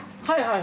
はい。